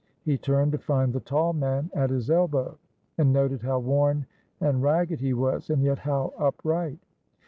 He turned, to find the tall man at his elbow, and noted how worn and ragged he was, and yet how upright.